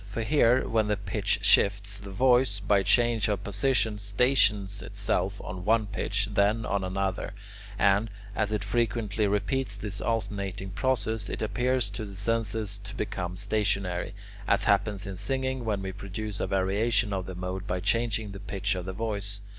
For here, when the pitch shifts, the voice, by change of position, stations itself on one pitch, then on another, and, as it frequently repeats this alternating process, it appears to the senses to become stationary, as happens in singing when we produce a variation of the mode by changing the pitch of the voice.